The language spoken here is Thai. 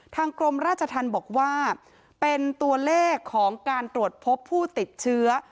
กรมราชธรรมบอกว่าเป็นตัวเลขของการตรวจพบผู้ติดเชื้อ